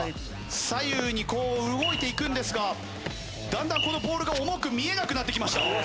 左右にこう動いていくんですがだんだんこのボールが重く見えなくなってきました。